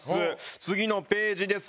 次のページです。